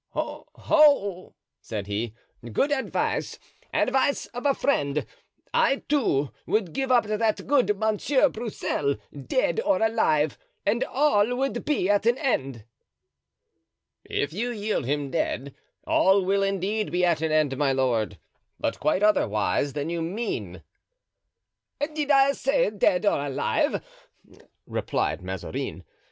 "Ho! ho!" said he, "good advice, advice of a friend. I, too, would give up that good Monsieur Broussel, dead or alive, and all would be at an end." "If you yield him dead, all will indeed be at an end, my lord, but quite otherwise than you mean." "Did I say 'dead or alive?'" replied Mazarin.